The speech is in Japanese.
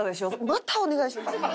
またお願いします」。